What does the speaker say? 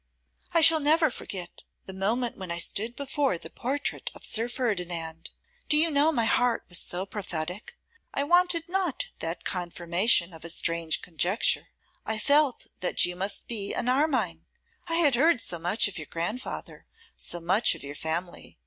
'I shall never forget the moment when I stood before the portrait of Sir Ferdinand. Do you know my heart was prophetic; I wanted not that confirmation of a strange conjecture. I felt that you must be an Armine. I had heard so much of your grandfather, so much of your family.